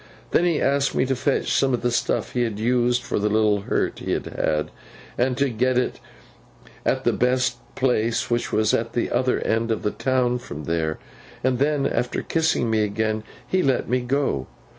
Then he asked me to fetch some of the stuff he used, for the little hurt he had had, and to get it at the best place, which was at the other end of town from there; and then, after kissing me again, he let me go.